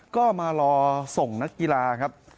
ก็มารอส่งนักกีฬาครับ